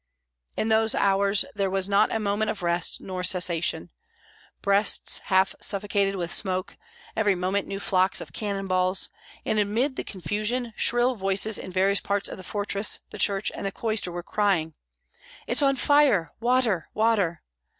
In those hours there was not a moment of rest nor cessation; breasts half suffocated with smoke, every moment new flocks of cannon balls; and amid the confusion shrill voices in various parts of the fortress, the church, and the cloister, were crying, "It is on fire! water, water!"